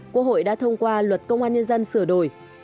quốc hội đã thông qua luật công an nhân dân sửa đổi